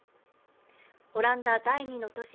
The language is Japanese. オランダ第２の都市